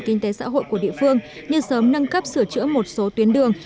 kinh tế xã hội của địa phương như sớm nâng cấp sửa chữa một số tuyến đường